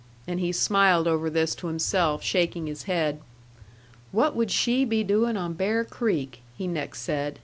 and he smiled over this to himself, shaking his head. "What would she be doing on Bear Creek?" he next said.